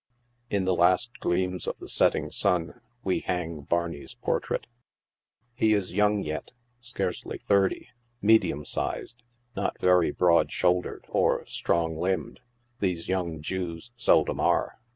In the last gleams of the setting sun we hang Barney's portrait. He is young yet, scarcely thirty, me dium sized, not very broad shouldered or strong limbed — these young Jews seldom are.